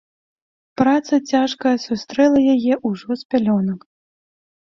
Праца цяжкая сустрэла яе ўжо з пялёнак.